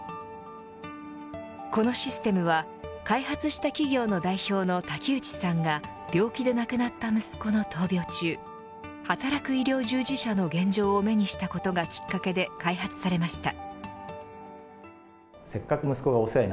このシステムは開発した企業の代表の滝内さんが病気で亡くなった息子の闘病中働く医療従事者の現状を目にしたことがきっかけで開発されました。